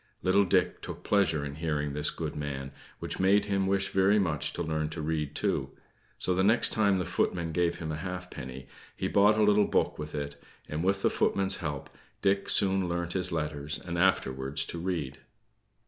Little Dick took pleasure in hearing this good man, which made him wish very much to learn to read too; so the next time the footman gave him a halfpenny, he bought a little book with it; and with the footman's help, Dick soon learnt his letters, and afterwards to read.